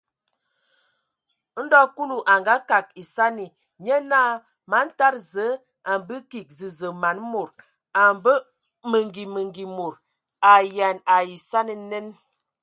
Ndo Kulu a ngakag esani, nye naa: Zǝə, man tada, a a mbǝ kig zəzə man mod. A mbə mengi mengi mod. A ayean ai esani nen !